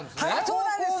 そうなんです。